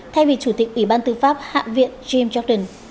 thay vì chủ tịch ủy ban tư pháp hạ viện jim jordan